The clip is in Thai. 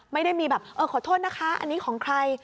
ไม่ได้มีแบบเออขอโทษนะคะอันนี้ของใคร